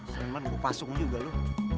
selain itu gua pasung juga lu